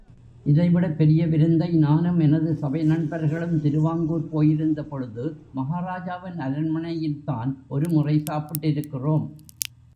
இதைவிடப் பெரிய விருந்தை நானும் எனது சபை நண்பர்களும், திருவாங்கூர் போயிருந்த பொழுது மஹாராஜாவின் அரண்மனையில்தான் ஒருமுறை சாப்பிட்டிருக்கிறோம்.